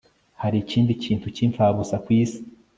hari ikindi kintu cy'impfabusa ku isi